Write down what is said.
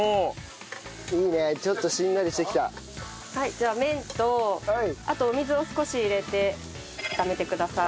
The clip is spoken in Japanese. じゃあ麺とあとお水を少し入れて炒めてください。